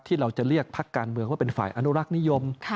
เราจะเรียกพักการเมืองว่าเป็นฝ่ายอนุรักษ์นิยม